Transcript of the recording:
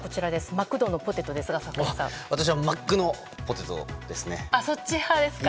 マクドのポテトですが私はマックのポテトですね。